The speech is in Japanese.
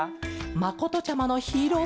まことちゃまのヒーローすがた。